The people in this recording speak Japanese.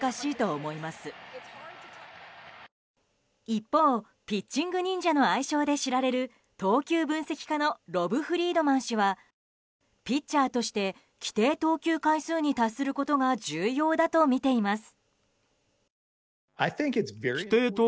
一方、ピッチング・ニンジャの愛称で知られる投球分析家のロブ・フリードマン氏はピッチャーとして規定投球回数に達することが重要だとみています。